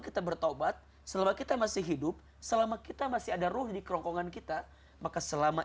kita bert g entered soal kita masih hidup selama kita masih ada ruh di kerongkongan kita maka selama